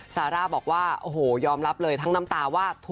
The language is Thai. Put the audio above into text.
ซาร่าบอกว่าโอ้โหยอมรับเลยทั้งน้ำตาว่า